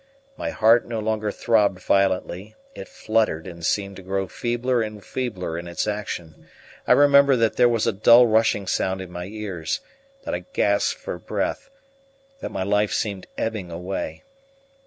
My heart no longer throbbed violently; it fluttered and seemed to grow feebler and feebler in its action: I remember that there was a dull, rushing sound in my ears, that I gasped for breath, that my life seemed ebbing away.